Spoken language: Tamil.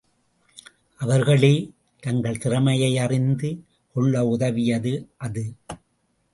அவர்களே, தங்கள் திறமையை அறிந்து, கொள்ள உதவியது, அது.